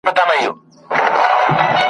بندوي چي قام په دام کي د ښکاریانو ,